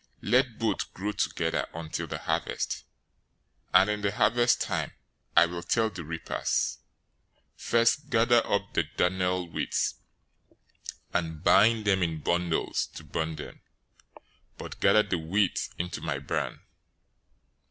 013:030 Let both grow together until the harvest, and in the harvest time I will tell the reapers, "First, gather up the darnel weeds, and bind them in bundles to burn them; but gather the wheat into my barn."'"